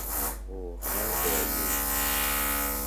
On How Dare You!